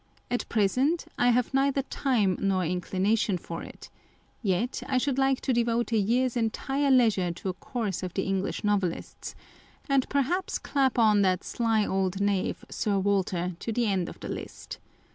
At present, I have neither time nor inclination for it : yet J should like to devote a year's entire leisure to a course of the English Novelists ; and perhaps clap on that sly old knave, Sir Walter, to the end of the list.